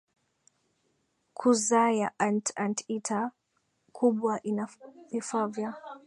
kuzaa ya ant anteater kubwa ina vifaa vya